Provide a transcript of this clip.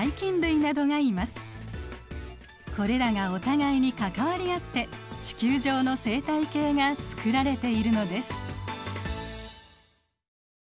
これらがお互いに関わり合って地球上の生態系が作られているのです。